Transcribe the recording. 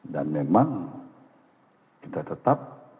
dan memang kita tetap